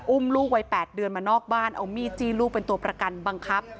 อุ้มลูกวัย๘เดือนมานอกบ้านเอามีดจี้ลูกเป็นตัวประกันบังคับ